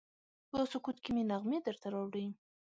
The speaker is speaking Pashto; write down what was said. په سکوت کې مې نغمې درته راوړي